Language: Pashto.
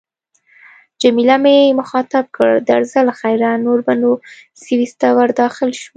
جميله مې مخاطب کړ: درځه له خیره، نور به نو سویس ته ورداخل شو.